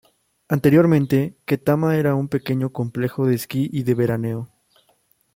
Anteriormente, Ketama era un pequeño complejo de esquí y de veraneo.